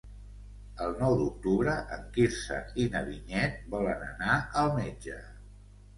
El nou d'octubre en Quirze i na Vinyet volen anar al metge.